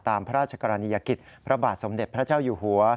พระราชกรณียกิจพระบาทสมเด็จพระเจ้าอยู่หัว